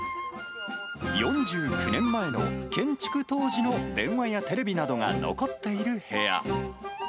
４９年前の建築当時の電話やテレビなどが残っている部屋。